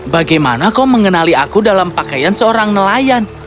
bagaimana kau mengenali aku dalam pakaian seorang nelayan